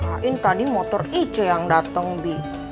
yain tadi motor ic yang dateng bi